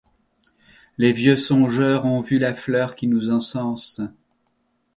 Les vieux songeurs ont vu la fleur qui nous encense